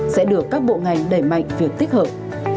sẽ được các bộ ngành đẩy mạnh việc tích hợp